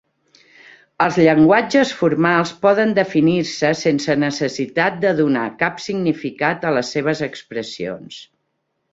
Els llenguatges formals poden definir-se sense necessitat de donar cap significat a les seves expressions.